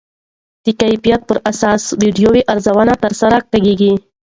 د کیفیت پر اساس ویډیو ارزونه ترسره کېږي.